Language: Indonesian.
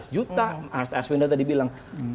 sebelas juta ars winda tadi bilang